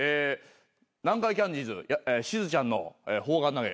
南海キャンディーズしずちゃんの砲丸投げ。